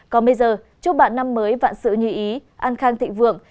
còn bây giờ chúc bạn năm mới vạn sự như ý an khang thịnh vượng